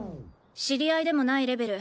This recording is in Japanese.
知り合いでもないレベル。